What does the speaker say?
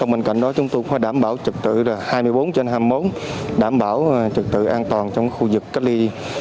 bên cạnh đó chúng tôi cũng phải đảm bảo trực tự hai mươi bốn trên hai mươi bốn đảm bảo trực tự an toàn trong khu vực cách ly